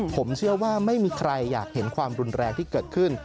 ผมเชื่อว่าไม่มีใครอยากเห็นความรุนแรงที่เกิดขึ้น